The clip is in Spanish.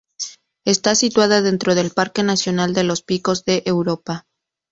Está situada dentro del Parque nacional de los Picos de Europa.